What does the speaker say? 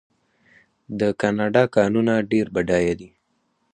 د کاناډا کانونه ډیر بډایه دي.